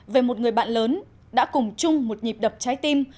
về một người bạn lớn đã cùng chung một nhịp đập trái tim